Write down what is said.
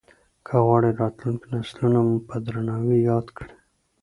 که غواړې راتلونکي نسلونه مو په درناوي ياد کړي.